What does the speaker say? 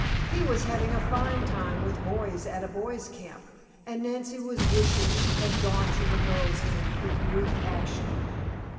He was having a fine time with boys at a boys' camp, and Nancy was wishing she had gone to a girls' camp with Ruth Ashley.